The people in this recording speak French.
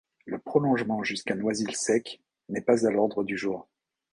Le prolongement jusqu'à Noisy-le-Sec n'est pas à l'ordre du jour.